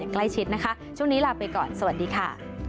ใกล้ชิดนะคะช่วงนี้ลาไปก่อนสวัสดีค่ะ